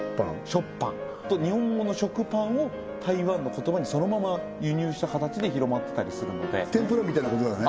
ショッパン日本語の食パンを台湾の言葉にそのまま輸入した形で広まってたりするのでテンプラみたいなことだね